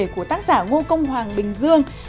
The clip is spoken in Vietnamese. của tác giả ngo công hoàng bình dương